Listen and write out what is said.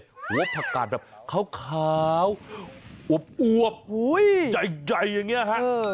หัวผักกาดแบบขาวอวบใหญ่อย่างนี้ฮะ